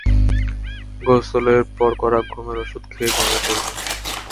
গোসলের পর কড়া ঘুমের ওষুধ খেয়ে ঘুমিয়ে পড়ব।